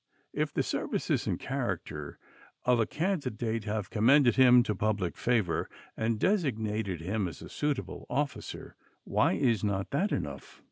If the services and character of a candidate have commended him to public favor and designated him as a suitable officer, why is not that enough?"